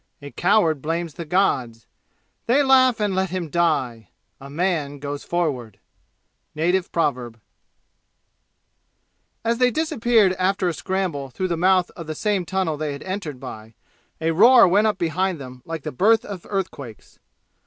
A coward blames the gods. They laugh and let him die A man goes forward Native Proverb As they disappeared after a scramble through the mouth of the same tunnel they had entered by, a roar went up behind them like the birth of earthquakes.